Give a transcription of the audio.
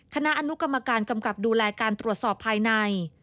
คณะอนุกรรมการกำกับดูแลการตรวจสอบภายใน